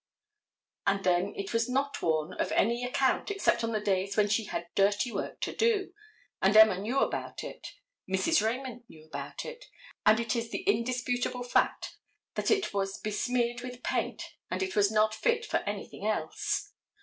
And then it was not worn of any account except on the days when she had dirty work to do, and Emma knew about it, Mrs. Raymond knew about it, and it is the indisputable fact that it was besmeared with paint and it was not fit for anything else.